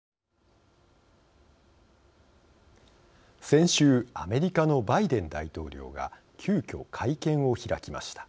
先週アメリカのバイデン大統領が急きょ会見を開きました。